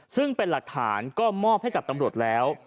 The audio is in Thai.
ซึ่งเป็นหลักฐานก็มอบให้กับตำรวจแล้ว